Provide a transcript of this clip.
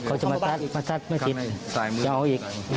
ก่อนจะยินเขาได้ได้คุยกันไหม